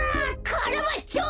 カラバッチョ！